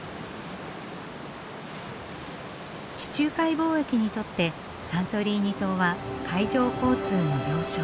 地中海貿易にとってサントリーニ島は海上交通の要衝。